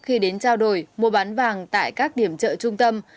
khi đến trao đổi mua bán vàng tại các điểm chợ trung tâm